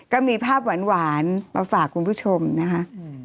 ก็มีภาพหวานมาฝากคุณผู้ชมนะคะ